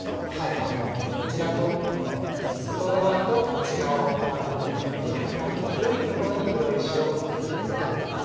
こちらとこの外側と内側を換わることによってやはり広いところに黒石を持ってくることができます。